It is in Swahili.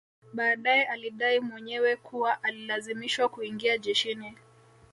Baadae alidai mwenyewe kuwa alilazimishwa kuingia jeshini